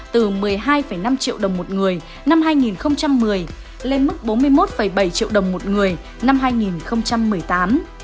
từ một mươi hai năm triệu đồng một người năm hai nghìn một mươi lên mức bốn mươi một bảy triệu đồng một người năm hai nghìn một mươi tám